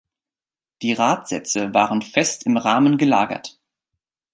Die Radsätze waren fest im Rahmen gelagert.